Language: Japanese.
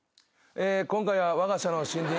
今回はわが社の新人。